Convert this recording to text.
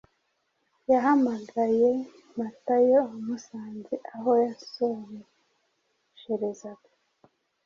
Yahamagaye Matayo amusanze aho yasoresherezaga,